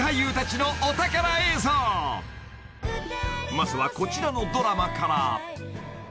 ［まずはこちらのドラマから］